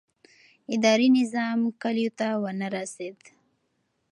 اداري نظام کلیو ته ونه رسېد.